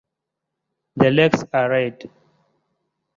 The legs are red.